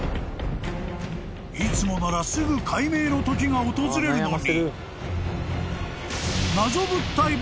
［いつもならすぐ解明のときが訪れるのに］